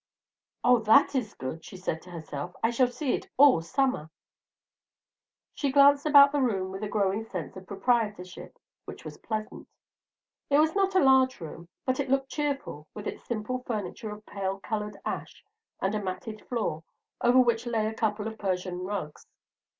"Oh, that is good," she said to herself. "I shall see it all summer." She glanced about the room with a growing sense of proprietorship which was pleasant. It was not a large room, but it looked cheerful, with its simple furniture of pale colored ash and a matted floor, over which lay a couple of Persian rugs.